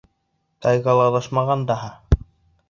Тайгала аҙашмаған даһа.